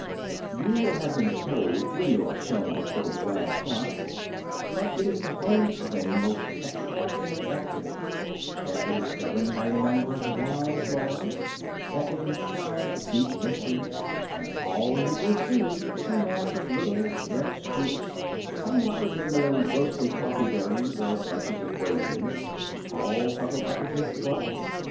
You will have been told, when you are shown this little glass box, that it is the home of a most extraordinary activity; that it is governed by a number of wise laws, that it enshrines deep mysteries; and all you will see is a mass of little, reddish groups, somewhat resembling roasted coffee berries or bunches of raisins, all huddled up against the glass.